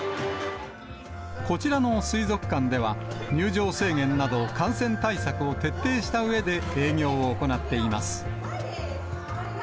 こちらの水族館では、入場制限など、感染対策を徹底したうえで営業を行っています。